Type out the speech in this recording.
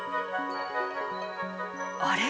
あれ？